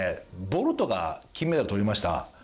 「ボルトが金メダルとりました」